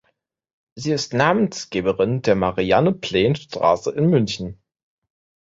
Sie ist Namensgeberin der "Marianne-Plehn-Straße" in München.